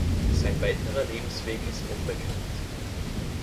Sein weiterer Lebensweg ist unbekannt.